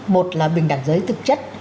một là bình đẳng giới thực chất